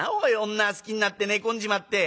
女好きになって寝込んじまって。